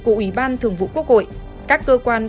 của ủy ban thường vụ quốc hội các cơ quan